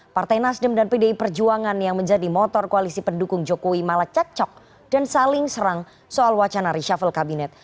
partai nasdem dan pdi perjuangan yang menjadi motor koalisi pendukung jokowi malah cek cok dan saling serang soal wacana reshuffle kabinet